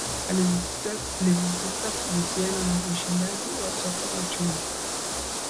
Alisisitiza kuhusiana na ushindani wa soko la uchumi